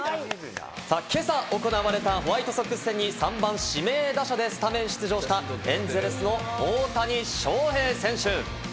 今朝行われたホワイトソックス戦に３番指名打者でスタメン出場したエンゼルスの大谷翔平選手。